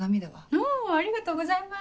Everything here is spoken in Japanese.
おぉありがとうございます。